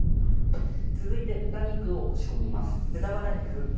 続いて豚肉を仕込みます。